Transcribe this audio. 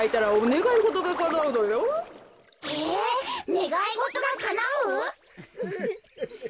ねがいごとがかなう？